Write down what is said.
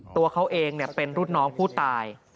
ตัวเขาเองเป็นรุ่นน้องผู้ตาย